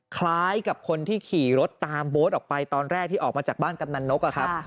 คล้ายกับคนที่ขี่รถตามโบ๊ทออกไปตอนแรกที่ออกมาจากบ้านกำนันนกครับ